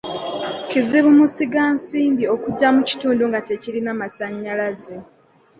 Kizibu musigansimbi okujja mu kitundu nga tekirina masannyalaze.